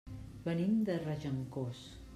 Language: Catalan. Venim de Regencós.